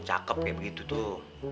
cakep kayak begitu tuh